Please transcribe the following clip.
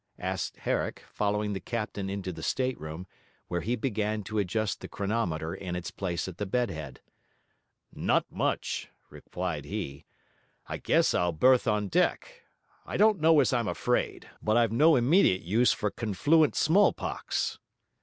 asked Herrick, following the captain into the stateroom, where he began to adjust the chronometer in its place at the bed head. 'Not much!' replied he. 'I guess I'll berth on deck. I don't know as I'm afraid, but I've no immediate use for confluent smallpox.'